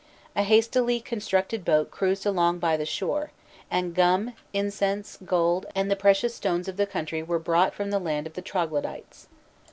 A hastily constructed boat cruised along by the shore, and gum, incense, gold, and the precious stones of the country were brought from the land of the Troglodytes.